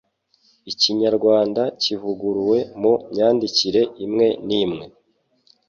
ikinyarawanda kivuguruwe mu myandikire imwe n'imwe